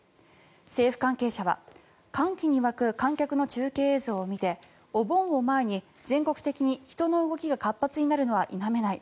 政府関係者は歓喜に沸く観客の中継映像を見てお盆を前に全国的に人の動きが活発になるのは否めない。